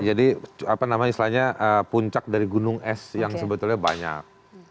jadi apa namanya istilahnya puncak dari gunung es yang sebetulnya banyak